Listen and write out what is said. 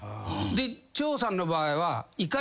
で長さんの場合は。